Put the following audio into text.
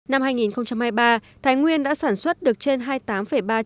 năm hai nghìn hai mươi ba thái nguyên đã sản xuất được trên hai cây giống